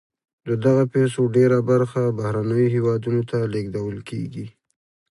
د دغه پیسو ډېره برخه بهرنیو هېوادونو ته لیږدول کیږي.